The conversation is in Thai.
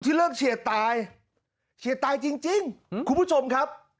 ที่เลิกเชียดตายเชียดตายจริงคุณผู้ชมครับ